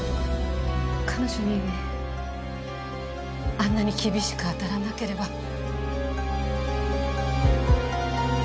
彼女にあんなに厳しく当たらなければ。